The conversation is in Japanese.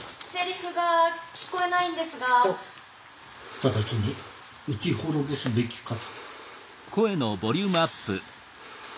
ただちに討ち滅ぼすべきかと。